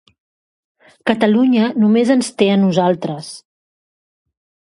Catalunya només ens té a nosaltres.